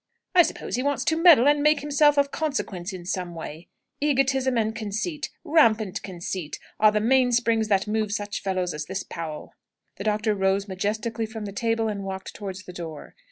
"I suppose he wants to meddle and make himself of consequence in some way. Egotism and conceit rampant conceit are the mainsprings that move such fellows as this Powell." The doctor rose majestically from the table and walked towards the door.